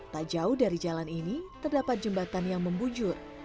tak jauh dari jalan ini terdapat jembatan yang membujur